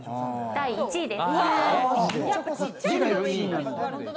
第５位です。